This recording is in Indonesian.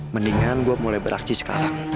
mendingan gue mulai beraksi sekarang